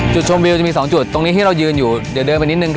จุดชมวิวจะมี๒จุดตรงนี้ที่เรายืนอยู่เดี๋ยวเดินไปนิดนึง